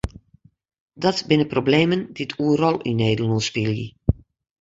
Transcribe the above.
Dat binne problemen dy't oeral yn Nederlân spylje.